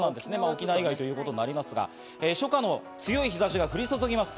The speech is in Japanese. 沖縄以外となりますが、初夏の強い日差しが降り注ぎます。